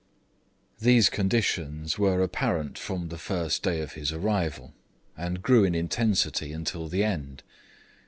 These conditions were apparent from the first day of his arrival, and grew in intensity until the end.